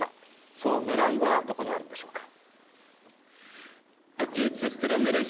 その狙いはどこにあるんでしょうか。